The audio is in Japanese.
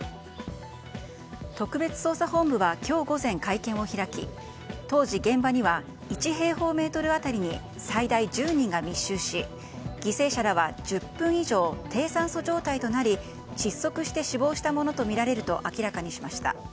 特別捜査本部は今日午前会見を開き当時、現場には１平方メートル当たりに最大１０人が密集し犠牲者らは１０分以上低酸素状態となり窒息して死亡したものとみられると明らかにしました。